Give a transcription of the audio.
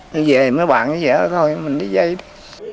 vậy thì mấy bạn như vậy thôi mình đi dây đi